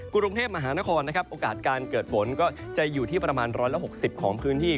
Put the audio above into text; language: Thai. กรุงเทพมหานครนะครับโอกาสการเกิดฝนก็จะอยู่ที่ประมาณ๑๖๐ของพื้นที่